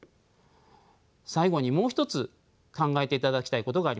最後にもう一つ考えていただきたいことがあります。